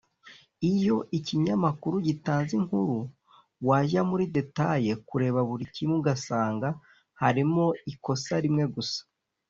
iyo ikinyamakuru gitanze inkuru wajya muri details (kureba buri kimwe) ugasanga harimo ikosa rimwe gusa